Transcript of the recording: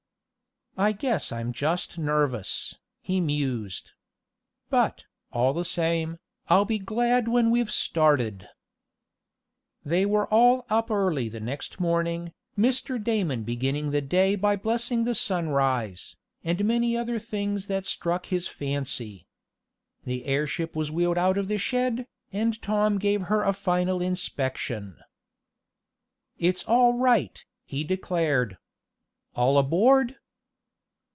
"I guess I'm just nervous," he mused. "But, all the same, I'll be glad when we've started." They were all up early the next morning, Mr. Damon beginning the day by blessing the sunrise, and many other things that struck his fancy. The airship was wheeled out of the shed, and Tom gave her a final inspection. "It's all right," he declared. "All aboard!"